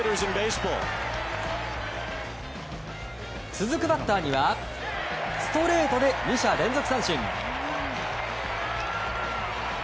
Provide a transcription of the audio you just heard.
続くバッターにはストレートで２者連続三振。